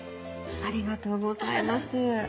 ありがとうございます。